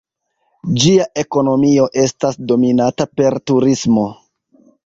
Ĝia ekonomio estas dominata per turismo.